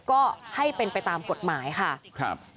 ก็ให้เป็นไปตามกฎหมายค่ะครับ